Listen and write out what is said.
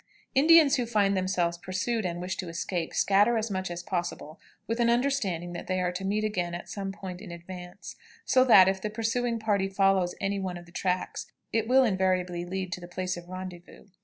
Indians who find themselves pursued and wish to escape, scatter as much as possible, with an understanding that they are to meet again at some point in advance, so that, if the pursuing party follows any one of the tracks, it will invariably lead to the place of rendezvous.